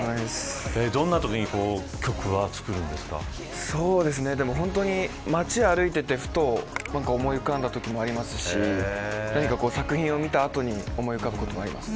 どんなときに街を歩いていてふと思い浮かんだときもありましたし作品を見た後に思い浮かぶこともあります。